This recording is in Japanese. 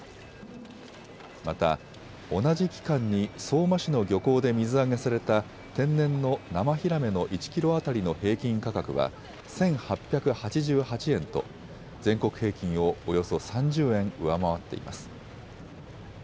また同じ期間に相馬市の漁港で水揚げされた天然の生ヒラメの１キロ当たりの平均価格は１８８８円と全国平均をおよそ３０円上回っています。